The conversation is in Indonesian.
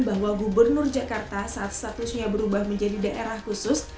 bahwa gubernur jakarta saat statusnya berubah menjadi daerah khusus